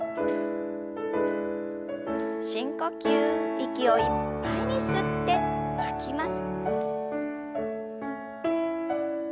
息をいっぱいに吸って吐きます。